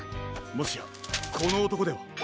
もしやこのおとこでは？